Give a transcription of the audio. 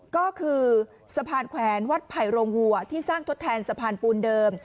ก็คือสะพานแขวนวัดไผ่โรงวัวที่สร้างทดแทนสะพานปูนเดิม